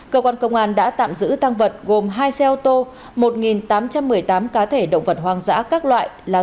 cơ quan công an đã tạm giữ tăng vật gồm hai xe ô tô một tám trăm một mươi tám cá thể động vật hoang dã các loại là